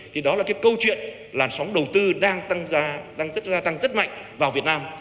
thì đó là cái câu chuyện làn sóng đầu tư đang tăng ra đang rất gia tăng rất mạnh vào việt nam